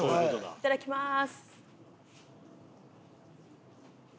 いただきます。